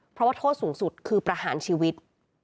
เพราะว่าโทษสูงสุดคือประหารชีวิต